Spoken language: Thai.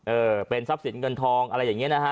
เออเป็นทรัพย์สินเงินทองอะไรอย่างนี้นะฮะ